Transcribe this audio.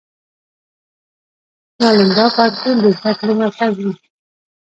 نالندا پوهنتون د زده کړې مرکز و.